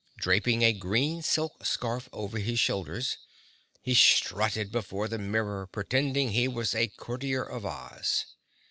Draping a green silk scarf over his shoulders, he strutted before the mirror, pretending he was a Courtier of Oz.